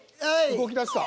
動きだした。